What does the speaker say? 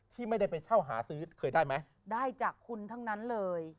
ที่ไม่ได้ไปเช่าหาซื้อเคยได้ไหมได้จากคุณทั้งนั้นเลย